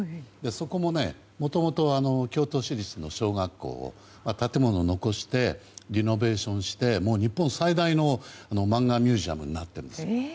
そこも元々は京都市立の小学校の建物を残してリノベーションして日本最大の漫画ミュージアムになっているんです。